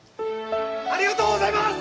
ありがとうございます！